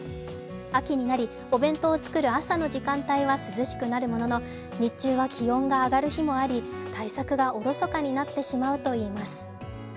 秋になりお弁当を作る朝の時間帯は涼しくなるものの日中は気温が上がる日もあり、対策がおろそかになってしまうといいます。